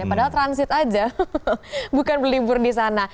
padahal transit aja bukan berlibur di sana